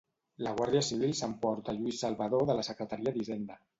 La Guàrdia Civil s'emporta a Lluís Salvadó de la secretaria d'Hisenda.